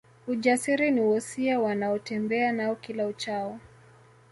Ujasiri ni wosia wanaotembea nao kila uchao